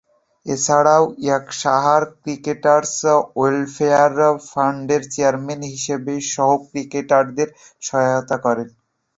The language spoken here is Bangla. এছাড়াও, ইয়র্কশায়ার ক্রিকেটার্স ওয়েলফেয়ার ফান্ডের চেয়ারম্যান হিসেবে সহঃ ক্রিকেটারদেরকে সহায়তা করেন।